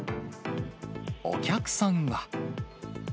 お客さんは。